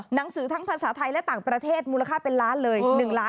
หนังสือทั้งภาษาไทยและต่างประเทศมูลค่าเป็นล้านเลย